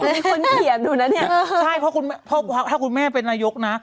มีคนเขียนอยู่นะเนี่ยใช่เพราะถ้าคุณแม่เป็นนายกนะ